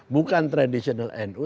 bukan traditional nu